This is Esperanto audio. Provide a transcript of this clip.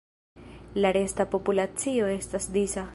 La resta populacio estas disa.